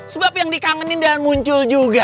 sebab yang dikangenin dan muncul juga